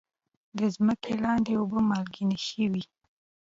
د ځمکې لاندې اوبه مالګینې شوي؟